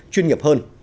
chuyên nghiệp hơn